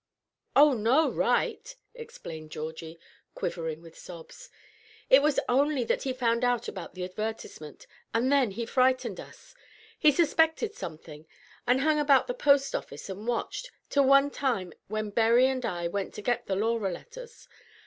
"Oh, no right!" explained Georgie, quivering with sobs. "It was only that he found out about the advertisement, and then he frightened us. He suspected something, and hung about the post office and watched, till one time when Berry and I went to get the 'Laura' letters.